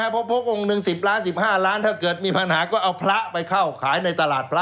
เพราะองค์หนึ่ง๑๐ล้าน๑๕ล้านถ้าเกิดมีปัญหาก็เอาพระไปเข้าขายในตลาดพระ